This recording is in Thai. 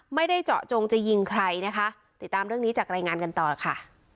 ไม่ได้เจาะจงจะยิงใครนะคะติดตามเรื่องนี้จากรายงานกันต่อค่ะ